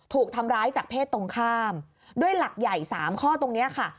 ถูกทำร้ายจากเพศตรงข้ามด้วยหลักใหญ่๓ข้อตรงนี้ค่ะ